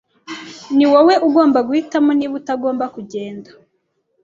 Ni wowe ugomba guhitamo niba utagomba kugenda.